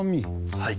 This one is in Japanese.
はい。